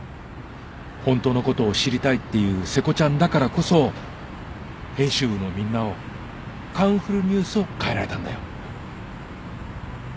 ホントのことを知りたいっていう瀬古ちゃんだからこそ編集部のみんなを『カンフルＮＥＷＳ』を変えられたんだよ。